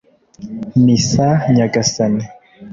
misa, nyagasani